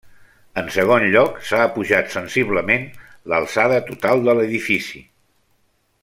En segon lloc, s'ha apujat sensiblement l'alçada total de l'edifici.